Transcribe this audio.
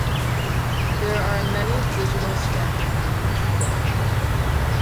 There are many digital stamping companies today.